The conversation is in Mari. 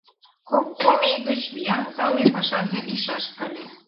Кок-кум ий гыч виян-тале пашазе лийшаш ыле.